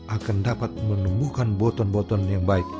akan dapat menumbuhkan boton boton yang baik